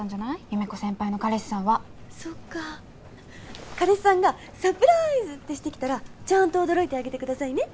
優芽子先輩の彼氏さんはそっか彼氏さんがサプラーイズってしてきたらちゃんと驚いてあげてくださいね